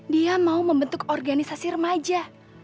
dia mau membentuk organisasi remaja